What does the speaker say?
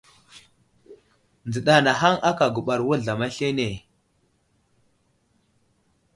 Nzəɗa anahaŋ aka gubar wuzlam aslane.